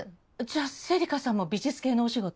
じゃあ芹香さんも美術系のお仕事？